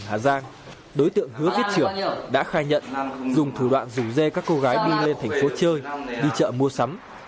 hà giang đối tượng hứa viết trưởng đã khai nhận dùng thủ đoạn rủ dê các cô gái đi lên thành phố chơi đi chợ mua sắm